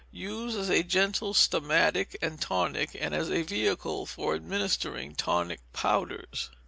Use as a gentle stomachic and tonic, and as a vehicle for administering tonic powders.